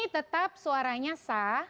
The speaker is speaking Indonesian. setiap suaranya sah